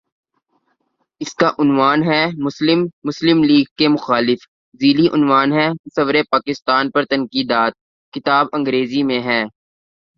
اس کا عنوان ہے:"مسلم مسلم لیگ کے مخالف" ذیلی عنوان ہے:"تصورپاکستان پر تنقیدات" کتاب انگریزی میں ہے۔